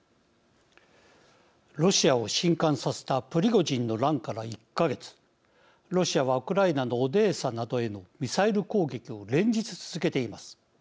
ロシアをしんかんさせたプリゴジンの乱から１か月ロシアはウクライナのオデーサなどへのミサイル攻撃を連日続けています。